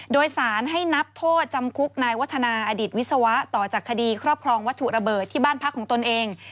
โดยสารให้นับโทษจำคุกนายวัฒนาอดิตวิศวะต่อจากคดีครอบครองวัตถุระเบิดที่บ้านพักของตนเอง